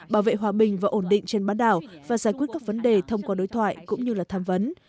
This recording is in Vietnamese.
bảo vệ hòa bình và ổn định trên bán đảo và giải quyết các vấn đề thông qua đối thoại cũng như là tham vấn